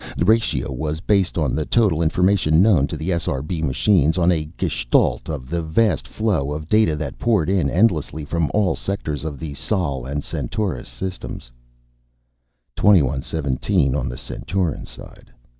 The ratio was based on the total information known to the SRB machines, on a gestalt of the vast flow of data that poured in endlessly from all sectors of the Sol and Centaurus systems. 21 17 on the Centauran side.